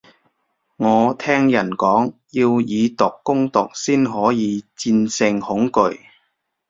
我聽人講，要以毒攻毒先可以戰勝恐懼